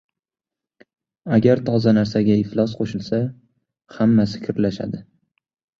• Agar toza narsaga iflos qo‘shilsa ― hammasi kirlashadi.